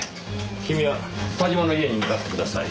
君は田島の家に向かってください。